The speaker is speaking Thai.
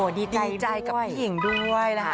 ดีใจด้วยดีใจกับพี่หญิงด้วยนะฮะ